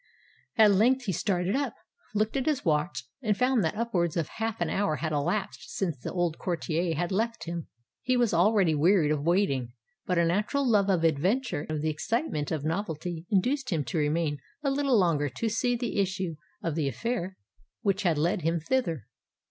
At length he started up, looked at his watch, and found that upwards of half an hour had elapsed since the old courtier had left him. He was already wearied of waiting; but a natural love of adventure and of the excitement of novelty induced him to remain a little longer to see the issue of the affair which had led him thither.